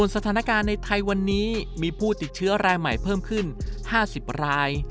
สถานการณ์ในไทยวันนี้มีผู้ติดเชื้อรายใหม่เพิ่มขึ้น๕๐ราย